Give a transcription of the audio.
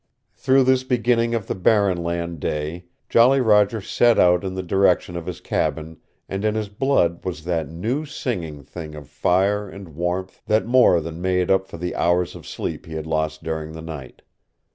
Through this beginning of the barren land day Jolly Roger set out in the direction of his cabin and in his blood was that new singing thing of fire and warmth that more than made up for the hours of sleep he had lost during the night.